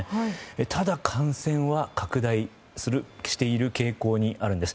ただ、感染は拡大している傾向にあるんです。